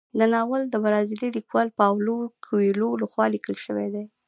دا ناول د برازیلي لیکوال پاولو کویلیو لخوا لیکل شوی دی.